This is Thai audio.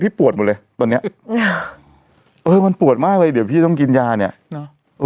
ปวดหมดเลยตอนเนี้ยเออมันปวดมากเลยเดี๋ยวพี่ต้องกินยาเนี้ยเนอะ